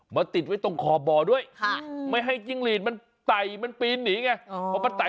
มาติดไว้ตรงคอบบอด้วยค่ะไม่ให้จิ้งรีดไปมันปีดหนีไง